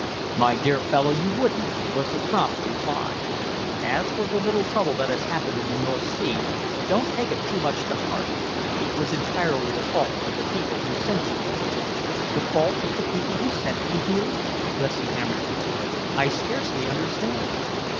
"My dear fellow, you wouldn't," was the prompt reply. "As for the little trouble that has happened in the North Sea, don't take it too much to heart, it was entirely the fault of the people who sent you here." "The fault of the people who sent me here," Lessingham repeated. "I scarcely understand."